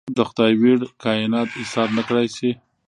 د خدای ویړ کاینات ایسار نکړای شي.